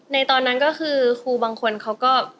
ตอนนั้นก็คือครูบางคนเขาก็